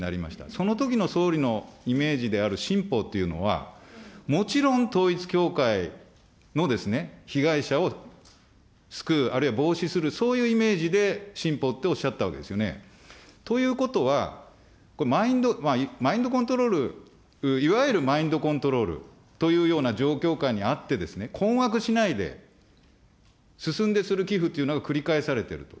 そのときの総理のイメージである新法っていうのは、もちろん、統一教会のですね、被害者を救う、あるいは防止する、そういうイメージで新法っておっしゃったわけですよね。ということは、これ、マインドコントロール、いわゆるマインドコントロールというような状況下にあってですね、困惑しないですすんでする寄付っていうのが繰り返されてると。